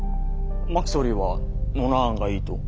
「真木総理はノナ案がいいと？」。